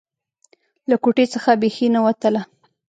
له کوټې څخه بيخي نه وتله.